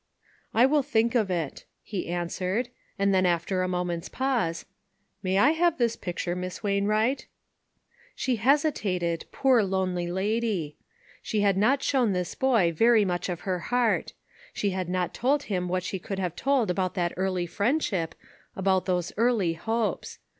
" I will think of it," he answered ; and then after a moment's pause, " May I have this picture, Miss Wainwright ?" She hesitated, poor lonely lady ! She had not shown this boy very much of her heart. She had not told him what she could have told about that early friendship, about those early hopes.